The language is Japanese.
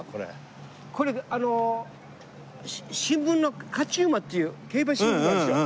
これ新聞の『勝馬』っていう競馬新聞あるでしょ？